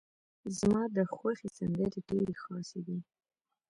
زما ده خوښې سندرې ډيرې خاصې دي.